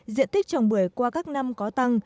diện tích trồng bưởi qua các năm có tăng